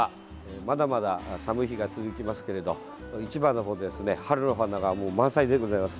まだまだ寒い日が続きますけれど市場の方ですね春の花がもう満載でございます。